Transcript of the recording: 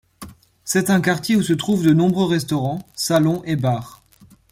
C'est un quartier où se trouvent de nombreux restaurants, salons et bars.